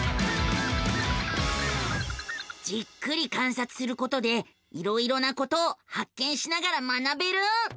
じっくり観察することでいろいろなことを発見しながら学べる。